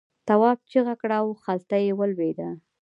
تواب چیغه کړه او خلته یې ولوېده.